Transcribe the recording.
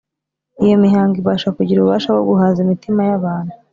iyo mihango ibasha kugira ububasha bwo guhaza imitima y’abantu.